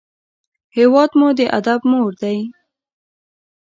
هېواد مو د ادب مور دی